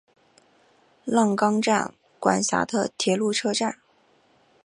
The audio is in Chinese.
浪冈站管辖的铁路车站。